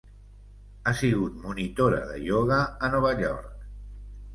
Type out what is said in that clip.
Ha sigut monitora de ioga a Nova York.